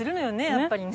やっぱりね。